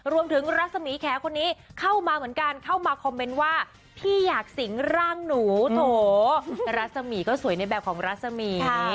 รัศมีแขกคนนี้เข้ามาเหมือนกันเข้ามาคอมเมนต์ว่าพี่อยากสิงร่างหนูโถรัศมีร์ก็สวยในแบบของรัศมี